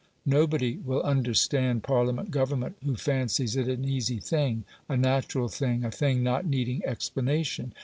Nobody will understand Parliament government who fancies it an easy thing, a natural thing, a thing not needing explanation.